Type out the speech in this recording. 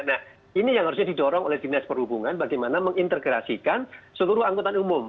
nah ini yang harusnya didorong oleh dinas perhubungan bagaimana mengintegrasikan seluruh angkutan umum